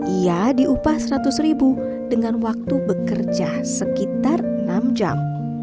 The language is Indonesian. ia diupah seratus ribu dengan waktu bekerja sekitar enam jam